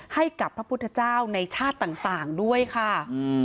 ให้กับพระพุทธเจ้าในชาติต่างด้วยค่ะ